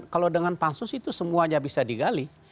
kalau dengan pansus itu semuanya bisa digali